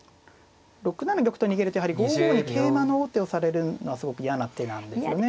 ６七玉と逃げるとやはり５五に桂馬の王手をされるのがすごく嫌な手なんですよね。